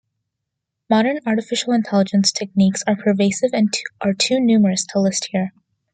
Modern artificial intelligence techniques are pervasive and are too numerous to list here.